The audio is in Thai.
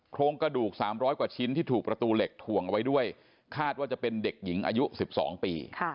โครงกระดูก๓๐๐กว่าชิ้นที่ถูกประตูเหล็กถ่วงเอาไว้ด้วยคาดว่าจะเป็นเด็กหญิงอายุ๑๒ปี